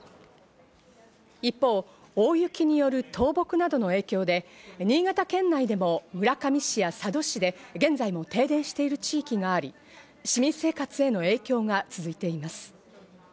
一方、大雪による倒木などの影響で、新潟県内でも村上市や佐渡市で、現在も停電している地域があり、市民生活への影響が続いています。